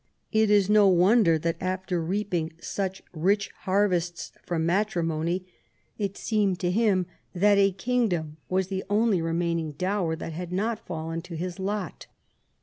It is no wonder that, after reaping such rich harvests from matrimony, it seemed to him that a kingdom was the only remaining dower which had not fallen to his lot.